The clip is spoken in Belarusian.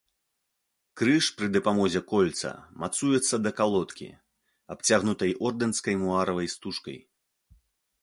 Крыж пры дапамозе кольца мацуецца да калодкі, абцягнутай ордэнскай муаравай стужкай.